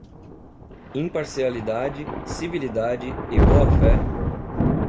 Imparcialidade, civilidade e boa-fé